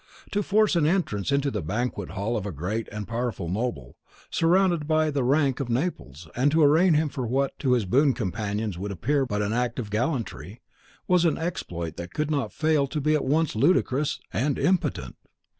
To force an entrance into the banquet hall of a great and powerful noble, surrounded by the rank of Naples, and to arraign him for what to his boon companions would appear but an act of gallantry, was an exploit that could not fail to be at once ludicrous and impotent.